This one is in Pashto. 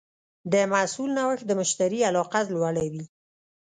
د محصول نوښت د مشتری علاقه لوړوي.